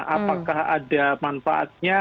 apakah ada manfaatnya